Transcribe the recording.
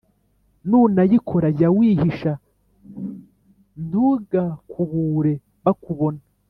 Nunayikora jya wihisha, ntugakubure bakubona,